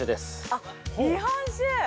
◆あっ、日本酒！